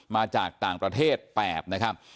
มาจากต่างประเทศ๘นะครับ